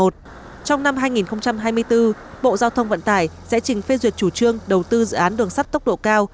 trong năm hai nghìn hai mươi bốn bộ giao thông vận tải sẽ trình phê duyệt chủ trương đầu tư dự án đường sắt tốc độ cao